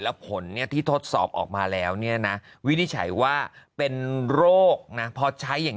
แล้วผลเนี่ยที่ทดสอบออกมาแล้วเนี่ยนะวินิจฉัยว่าเป็นโรคนะพอใช้อย่าง